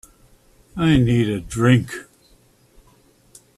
I need a drink.